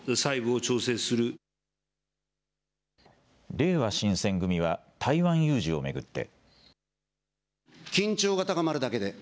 れいわ新選組は台湾有事を巡って。